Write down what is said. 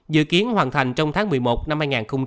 dự kiến hoàn thành trong tháng một mươi một năm hai nghìn hai mươi